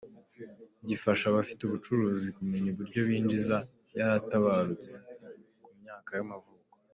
gifasha abafite ubucuruzi kumenya uburyo binjiza yaratabarutse, ku myaka y’amavuko.